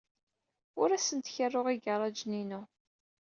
Ur asent-kerruɣ igaṛajen-inu.